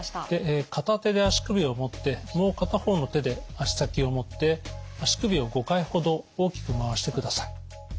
で片手で足首を持ってもう片方の手で足先を持って足首を５回ほど大きく回してください。